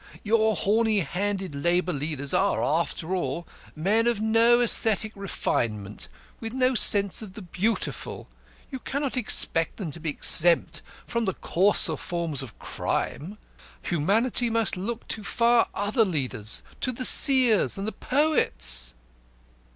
Your horny handed labour leaders are, after all, men of no aesthetic refinement, with no sense of the Beautiful; you cannot expect them to be exempt from the coarser forms of crime. Humanity must look to far other leaders to the seers and the poets!"